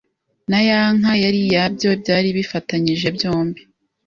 na ya nka yari iyabyo byari bifatanyije byombi.